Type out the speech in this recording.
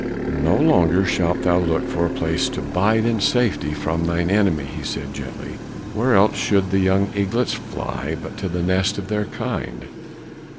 "No longer shalt thou look for a place to bide in safety from thine enemy," he said gently. "Where else should the young eaglets fly but to the nest of their kind?